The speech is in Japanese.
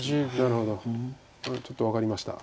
ちょっと分かりました。